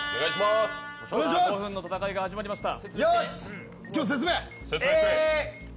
５分の戦いが始まりました。